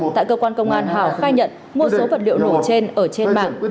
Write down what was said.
tại cơ quan công an hảo khai nhận một số vật liệu nổ trên ở trên bảng